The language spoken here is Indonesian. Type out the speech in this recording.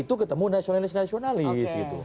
itu ketemu nasionalis nasionalis gitu